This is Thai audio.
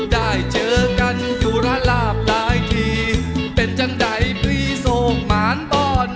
ได้เจอกันอยู่ระลาบหลายทีเป็นจันทร์ใดพี่โศกหมานต่อหนอ